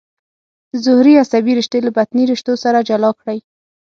ظهري عصبي رشتې له بطني رشتو سره جلا کړئ.